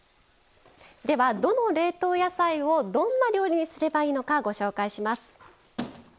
ではどの冷凍野菜をどんな料理にすればいいのかご紹介します。